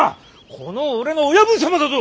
この俺の親分様だぞ。